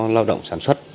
lao động sản xuất